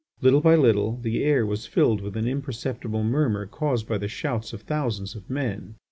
Little by little the air was filled with an imperceptible murmur caused by the shouts of thousands of men.